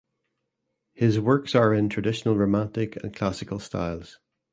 His works are in traditional Romantic and Classical styles.